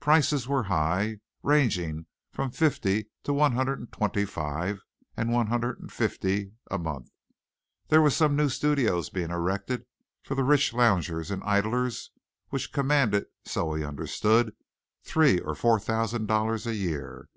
Prices were high, ranging from fifty to one hundred and twenty five and one hundred and fifty a month. There were some new studios being erected for the rich loungers and idlers which commanded, so he understood, three or four thousand dollars a year.